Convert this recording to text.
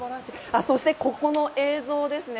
そして、ここの映像ですね。